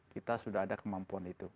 kita sudah ada kemampuan itu